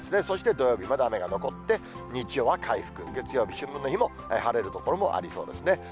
そして、土曜日まで雨が残って、日曜は回復、月曜日、春分の日も晴れる所もありそうですね。